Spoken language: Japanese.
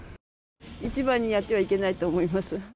一番にやってはいけないと思います。